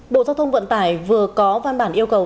bộ giao thông vận tải vừa có văn bản yêu cầu